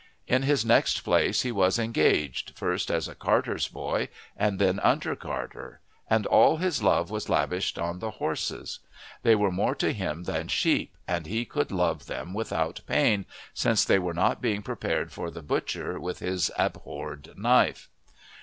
In his next place he was engaged, first, as carter's boy, and then under carter, and all his love was lavished on the horses. They were more to him than sheep, and he could love them without pain, since they were not being prepared for the butcher with his abhorred knife.